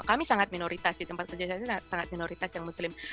kami sangat minoritas di tempat kerja saya sangat minoritas yang muslim